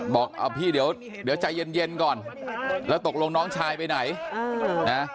บอกเอาพี่เดี๋ยวใจเย็นก่อนแล้วตกลงน้องชายไปไหนนะ